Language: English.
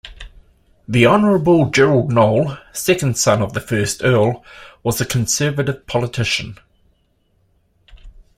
The Honourable Gerard Noel, second son of the first Earl, was a Conservative politician.